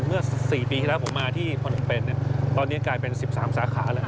เมื่อ๔ปีที่แล้วผมมาที่พนมเปนตอนนี้กลายเป็น๑๓สาขาเลย